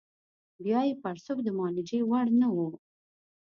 بیا یې پړسوب د معالجې وړ نه وو.